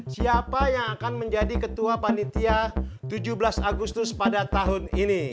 siapa yang akan menjadi ketua panitia tujuh belas agustus pada tahun ini